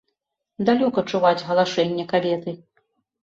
Далёка чуваць галашэнне кабеты.